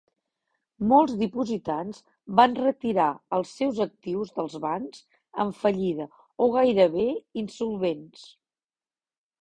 Molts dipositants van retirar els seus actius dels bancs en fallida o gairebé insolvents.